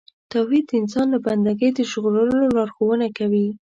توحید د انسان له بندګۍ د ژغورلو لارښوونه کوي.